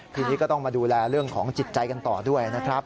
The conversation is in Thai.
ทีนี้ก็ต้องมาดูแลเรื่องของจิตใจกันต่อด้วยนะครับ